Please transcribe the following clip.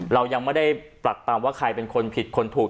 เรายังไม่ได้ปรักปำว่าใครเป็นคนผิดคนถูก